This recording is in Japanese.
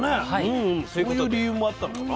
そういう理由もあったのかな。